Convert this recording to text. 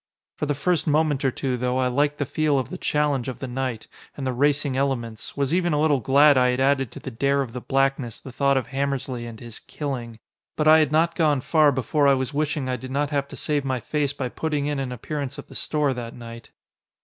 For the first moment or two, though, I liked the feel of the challenge of the night and the racing elements, was even a little glad I had added to the dare of the blackness the thought of Hammersly and his "killing." But I had not gone far before I was wishing I did not have to save my face by putting in an appearance at the store that night.